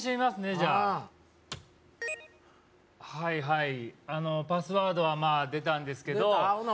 じゃあはいはいあのパスワードはまあ出たんですけどほな